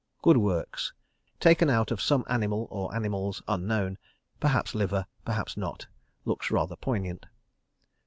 Good Works. Taken out of some animal, or animals, unknown. Perhaps Liver. Perhaps not. Looks rather poignant.